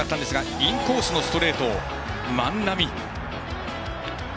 インコースのストレートを万波。